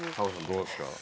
どうですか？